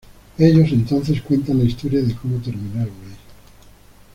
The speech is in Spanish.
Ellos entonces cuentan la historia de cómo terminaron ahí.